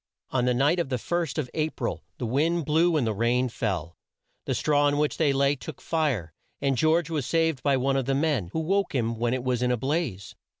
On the night of the first of A pril the wind blew and the rain fell. The straw on which they lay took fire, and George was saved by one of the men, who woke him when it was in a blaze.